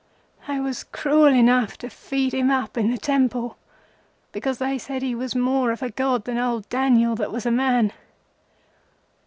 "They was cruel enough to feed him up in the temple, because they said he was more of a god than old Daniel that was a man.